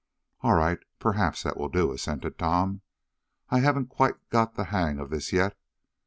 "All right, perhaps that will do," assented Tom. "I haven't quite got the hang of this yet.